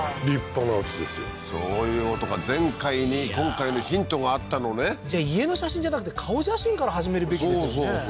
立派なうちですよそういうことか前回に今回のヒントがあったのねじゃあ家の写真じゃなくて顔写真から始めるべきですよね